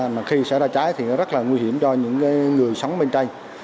mà khi xảy ra cháy thì nó rất là nguy hiểm cho những người sống bên đây